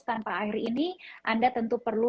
tanpa air ini anda tentu perlu